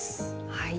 はい。